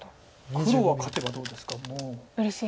黒は勝てばどうですかもう。